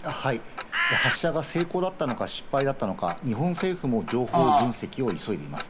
発射が成功だったのか、失敗だったのか、日本政府の情報の分析を急いでいます。